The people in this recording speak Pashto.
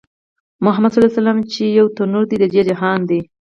محمدص چې يو تنوير د دې جهان دی